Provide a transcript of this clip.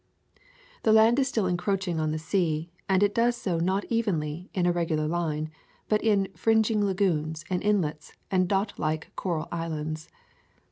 The land is still encroaching on the sea, and it does so not evenly, in a regular line, but in fringing lagoons and inlets and dotlike coral islands.